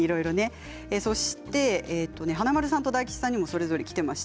華丸さんと大吉さんにもそれぞれきています。